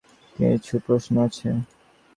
কিছু প্রশ্ন আছে?